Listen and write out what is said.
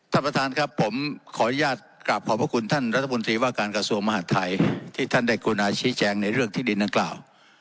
ท่านประธานครับผมขออนุญาตกราบขอบพระคุณท่านรัฐมนตรีว่าการกระทรวงมหาดไทยที่ท่านได้กรุณาชี้แจงในเรื่องที่ดินดังกล่าว